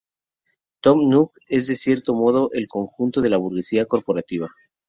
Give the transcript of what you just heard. Tom Nook es de cierto modo el conjunto de la burguesía corporativa.